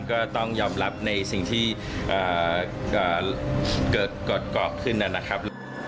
ก็ต้องยอมรับในสิ่งที่เกิดกฎกรอบขึ้นนะครับ